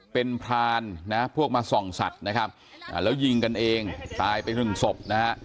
เป็นพรานนะพวกมาส่องสัตว์นะครับแล้วยิงกันเองตายไปหนึ่งศพนะฮะ